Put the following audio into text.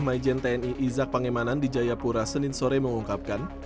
maijen tni izak pangemanan di jayapura senin sore mengungkapkan